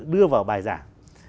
đưa vào bài giảng